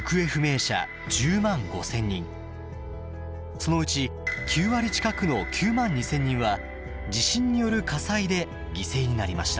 そのうち９割近くの９万２，０００人は地震による火災で犠牲になりました。